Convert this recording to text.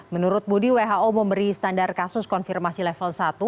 menurut budi who memberi standar kasus konfirmasi level satu